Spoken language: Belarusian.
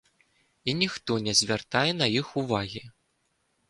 І ніхто не звяртае на іх увагі.